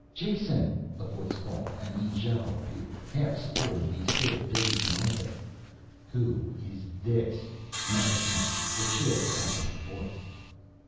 "Jason!" a voice called and Ijale appeared, half supporting the still dazed Mikah. "Who is this?" Meta snapped, the chill back in her voice.